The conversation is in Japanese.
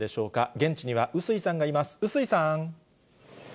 現地には笛吹さんがいます。